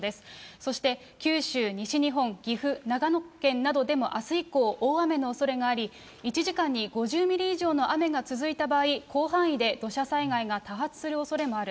そして九州、西日本、岐阜、長野県などでもあす以降、大雨のおそれがあり、１時間に５０ミリ以上の雨が続いた場合、広範囲で土砂災害が多発するおそれもある。